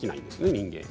人間。